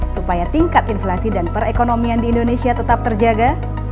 supaya tingkat inflasi dan perekonomian di indonesia tetap terjaga